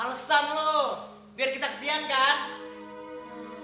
alasan lo biar kita kesian kan